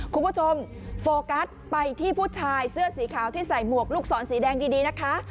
โฟกัสไปที่ผู้ชายเสื้อสีขาวที่ใส่หมวกลูกศรสีแดงดีนะคะ